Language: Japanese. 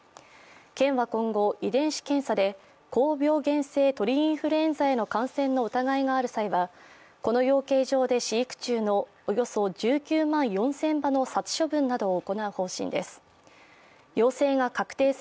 県は今後、遺伝子検査で高病原性鳥インフルエンザへの感染の疑いがある際はこの養鶏場で飼育中のおよそ１９万４０００羽の殺処分などを行う方針です。